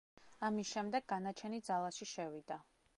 ამის შემდეგ, განაჩენი ძალაში შევიდა.